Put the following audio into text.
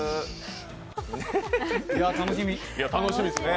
楽しみですね。